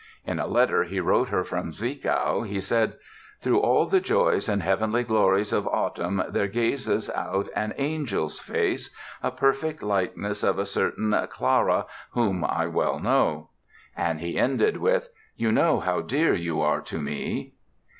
In a letter he wrote her from Zwickau he said: "Through all the joys and heavenly glories of autumn there gazes out an angel's face, a perfect likeness of a certain Clara whom I well know"; and he ended with "you know how dear you are to me".